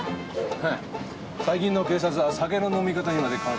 ハッ最近の警察は酒の飲み方にまで干渉するのか？